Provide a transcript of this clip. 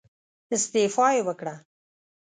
استعفا يې وکړه.